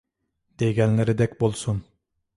دېگەنلىرىدەك بولسۇن!